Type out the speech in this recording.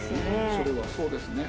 それはそうですね。